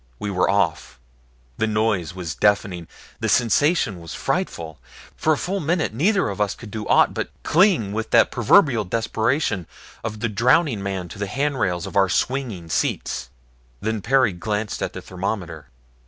We were off! The noise was deafening. The sensation was frightful. For a full minute neither of us could do aught but cling with the proverbial desperation of the drowning man to the handrails of our swinging seats. Then Perry glanced at the thermometer.